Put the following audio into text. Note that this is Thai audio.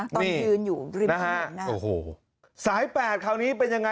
ตอนยืนอยู่ริมธรรมดาสายแปดคราวนี้เป็นยังไง